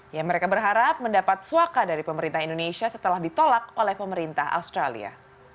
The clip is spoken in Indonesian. ya mereka berharap mendapat suaka dari pemerintah indonesia setelah ditolak oleh pemerintah australia